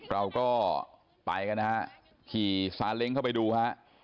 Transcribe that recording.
เราก็ไปกันนะฮะขี่ซาเล้งเข้าไปดูฮะ